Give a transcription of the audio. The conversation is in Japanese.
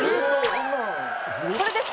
これです！